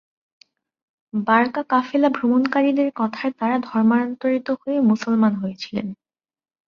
বারকা কাফেলা ভ্রমণকারীদের কথার দ্বারা ধর্মান্তরিত হয়ে মুসলমান হয়েছিলেন।